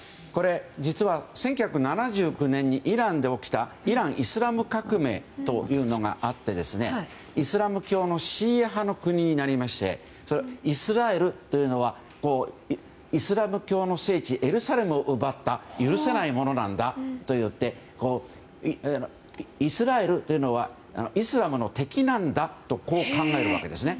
実は１９７９年にイランで起きたイラン・イスラム革命というのがあってイスラム教のシーア派の国になりましてイスラエルというのは聖地を奪った許せないものなんだといってイスラエルというのはイスラムの敵なんだと考えるわけですね。